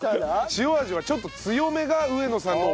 塩味はちょっと強めが上野さんのおすすめだと。